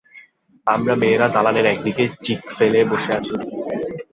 আমরা মেয়েরা দালানের এক দিকে চিক ফেলে বসে আছি।